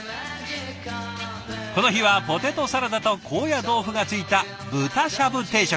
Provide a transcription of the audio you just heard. この日はポテトサラダと高野豆腐がついた豚しゃぶ定食。